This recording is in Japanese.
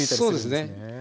そうですね。